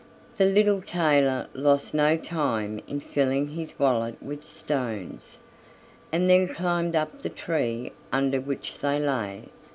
The little tailor lost no time in filling his wallet with stones, and then climbed up the tree under which they lay.